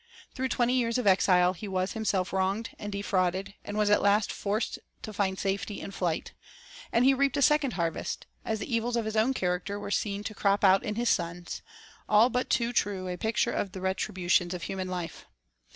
Through twenty years of exile he was himself wronged and defrauded, and was Experience at last forced to find safety in flight; and he reaped a , second harvest, as the evils of his own character were seen to crop out in his sons ;— all but too true a picture of the retributions of human life.